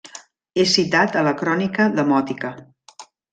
És citat a la Crònica Demòtica.